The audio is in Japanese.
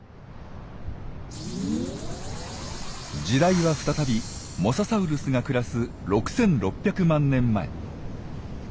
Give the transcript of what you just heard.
時代は再びモササウルスが暮らす６，６００万年前。